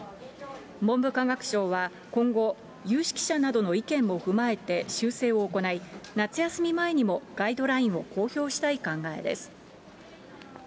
文部科学省は今後、有識者などの意見も踏まえて修正を行い、夏休み前にもガイドラインを公表したい考えです。